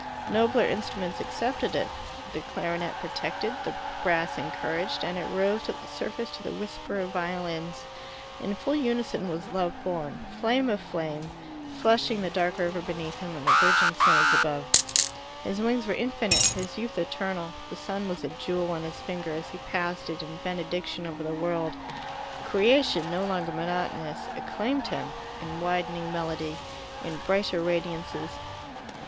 Nobler instruments accepted it, the clarionet protected, the brass encouraged, and it rose to the surface to the whisper of violins. In full unison was Love born, flame of the flame, flushing the dark river beneath him and the virgin snows above. His wings were infinite, his youth eternal; the sun was a jewel on his finger as he passed it in benediction over the world. Creation, no longer monotonous, acclaimed him, in widening melody, in brighter radiances.